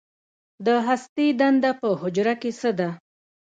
د هستې دنده په حجره کې څه ده